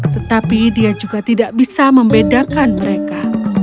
tetapi dia juga tidak bisa membedakan mereka